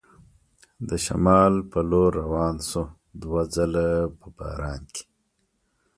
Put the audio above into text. د شمال په لور روان شو، دوه ځله په باران کې.